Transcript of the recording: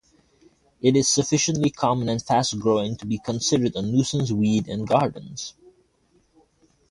It is sufficiently common and fast-growing to be considered a nuisance weed in gardens.